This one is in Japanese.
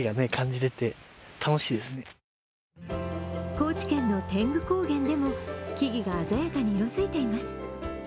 高知県の天狗高原でも木々が鮮やかに色づいています。